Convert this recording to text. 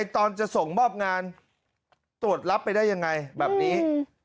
ตอนจะส่งมอบงานตรวจรับไปได้ยังไงแบบนี้